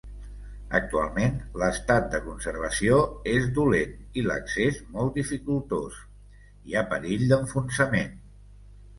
Actualment, l'estat de conservació és dolent i l'accés molt dificultós; hi ha perill d'enfonsament.